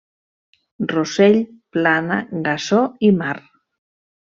Rossell, Plana, Gassó i Mar.